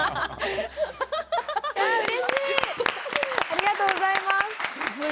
ありがとうございます。